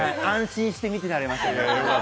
安心して見てられますね。